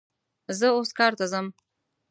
زه اوس کار ته ځم